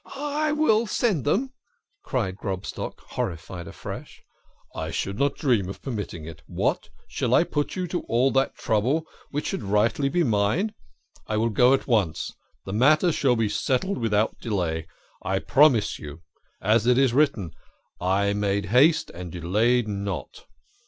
I will send them," cried Grobstock, horrified afresh. THE KING OF SCHNORRERS. 23 " I could not dream of permitting it. What ! Shall I put you to all that trouble which should rightly be mine? I will go at once the matter shall be settled without delay, I promise you ; as it is written, ' I made haste and delayed not